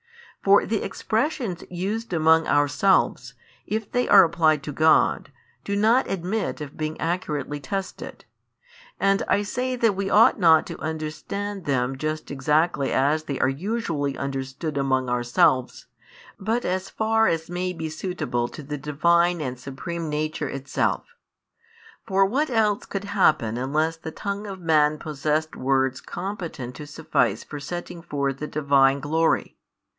For the expressions used among ourselves, if they are applied to God, do not admit of being accurately tested; and I say that we ought not to understand them just exactly as they are usually understood among ourselves, but as far as may be suitable to the Divine and Supreme Nature itself. For what [else could happen], unless the tongue of man possessed words competent to suffice for setting forth the Divine glory?